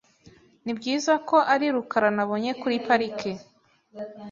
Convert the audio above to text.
Nibyiza ko ari rukara nabonye kuri parike .